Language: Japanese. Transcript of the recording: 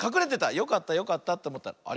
よかったよかったっておもったらあれ？